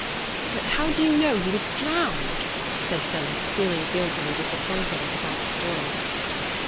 'But how do you know he was drowned?' said Philip, feeling guiltily disappointed at his aunt's story.